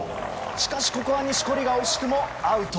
しかしここは錦織が惜しくもアウト。